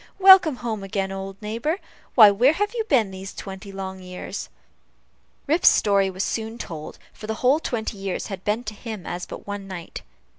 Welcome home again, old neighbor. Why, where have you been these twenty long years?" Rip's story was soon told, for the whole twenty years had been to him but as one night.